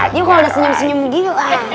dia kalau udah senyum senyum gila